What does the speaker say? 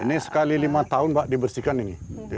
ini sekali lima tahun mbak dibersihkan ini